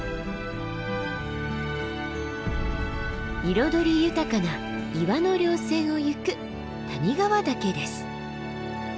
彩り豊かな岩の稜線を行く谷川岳です。